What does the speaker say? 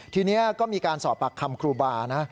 ทีนี้ก็มีการสอบปากคำครูบานะ